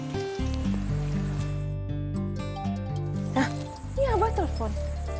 nah ini apa telpon